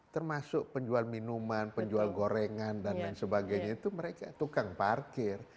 termasuk penjual minuman penjual gorengan dan lain sebagainya itu mereka tukang parkir